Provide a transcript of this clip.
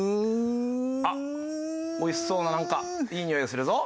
あっおいしそうななんかいいにおいがするぞ。